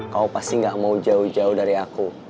kau pasti gak mau jauh jauh dari aku